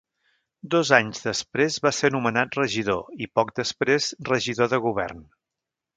Dos anys després va ser anomenat regidor i poc després regidor de govern.